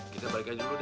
kita balik aja dulu deh